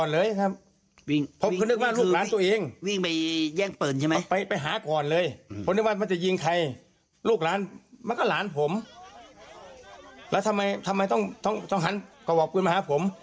ล่าสุดวันนี้นะคะ